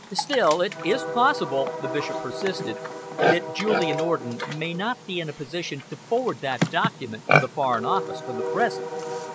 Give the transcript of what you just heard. "Still, it is possible," the Bishop persisted, "that Julian Orden may not be in a position to forward that document to the Foreign Office for the present?